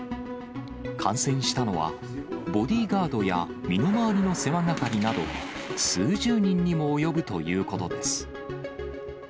感染したのは、ボディーガードや身の回りの世話係など、数十人にも及ぶということです。